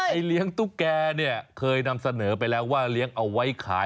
เลี้ยงตุ๊กแกเนี่ยเคยนำเสนอไปแล้วว่าเลี้ยงเอาไว้ขาย